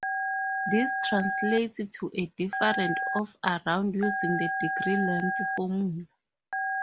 This translates to a difference of around using the degree length formula.